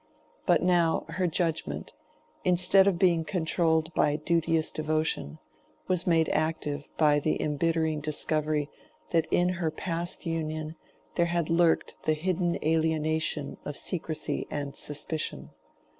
But now her judgment, instead of being controlled by duteous devotion, was made active by the imbittering discovery that in her past union there had lurked the hidden alienation of secrecy and suspicion.